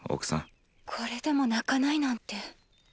これでも泣かないなんて。